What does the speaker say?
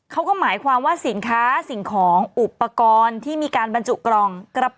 เขาก็หมายความว่าสินค้าสิ่งของอุปกรณ์